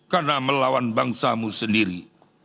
karena melawan bangsamu sendiri